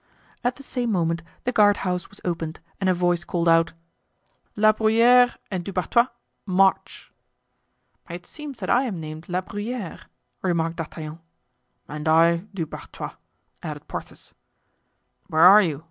At the same moment the guardhouse was opened and a voice called out: "La Bruyere and Du Barthois! March!" "It seems that I am named La Bruyere," remarked D'Artagnan. "And I, Du Barthois," added Porthos. "Where are you?"